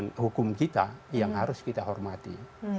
ini adalah hukum kita yang harus kita hormati